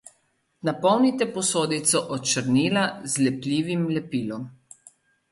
Napolnite posodico od črnila z lepljivim lepilom.